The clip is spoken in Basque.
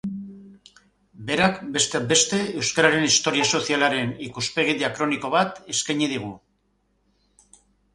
Berak, besteak beste, euskararen historia sozialaren ikuspegi diakroniko bat eskaini digu.